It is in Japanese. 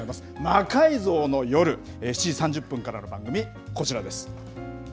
魔改造の夜７時３０分からの番組こちらです。